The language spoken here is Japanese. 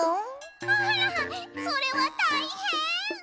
あらそれはたいへん！